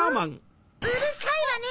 うるさいわね！